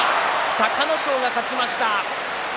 隆の勝が勝ちました。